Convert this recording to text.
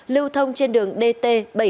lưu thông trên đường dt bảy trăm năm mươi chín